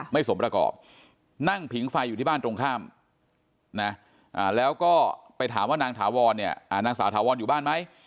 ไม่สมประกอบนั่งผิงไฟอยู่ที่บ้านตรงข้ามนะแล้วก็ไปถามว่านางถาวรเนี่ยนางสาวถาวรอยู่บ้านไหม